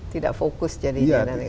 tidak fokus jadinya